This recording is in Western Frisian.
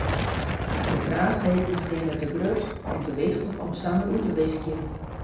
De fraachtekens binne te grut en te wichtich om samar út te wiskjen.